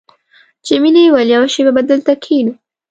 جميلې وويل:، یوه شېبه به دلته کښېنو.